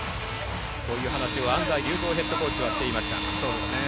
そういう話を安齋竜三ヘッドコーチはしていました。